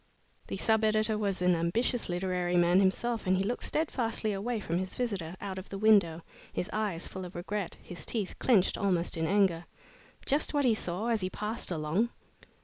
The sub editor was an ambitious literary man himself and he looked steadfastly away from his visitor, out of the window, his eyes full of regret, his teeth clenched almost in anger. Just what he saw as he passed along!